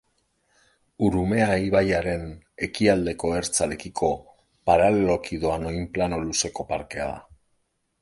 Urumea ibaiaren ekialdeko ertzarekiko paraleloki doan oinplano luzeko parkea da.